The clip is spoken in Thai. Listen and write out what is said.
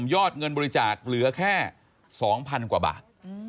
ยอดเงินบริจาคเหลือแค่๒๐๐๐กว่าบาท